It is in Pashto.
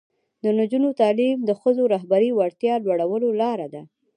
د نجونو تعلیم د ښځو رهبري وړتیا لوړولو لاره ده.